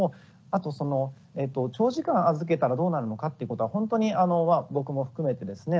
あとその長時間預けたらどうなるのか？っていうことはほんとに僕も含めてですね